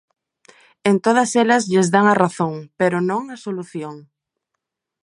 En todas elas lles dan "a razón", pero non a solución.